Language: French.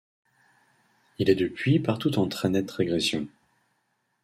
Il est depuis partout en très nette régression.